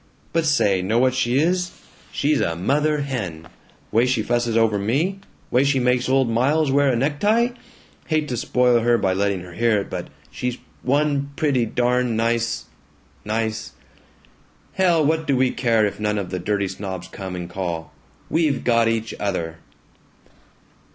But say, know what she is? She's a mother hen! Way she fusses over me way she makes old Miles wear a necktie! Hate to spoil her by letting her hear it, but she's one pretty darn nice nice Hell! What do we care if none of the dirty snobs come and call? We've got each other."